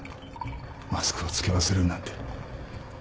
マスクをつけ忘れるなんて。